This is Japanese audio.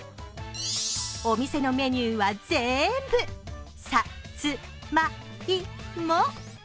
お店のメニューは全部、さ・つ・ま・い・も。